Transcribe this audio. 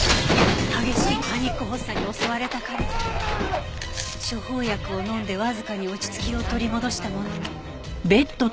激しいパニック発作に襲われた彼は処方薬を飲んでわずかに落ち着きを取り戻したものの。